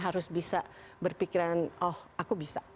harus bisa berpikiran oh aku bisa